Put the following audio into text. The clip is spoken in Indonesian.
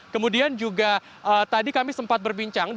kemudian juga tadi kami sempat berbincang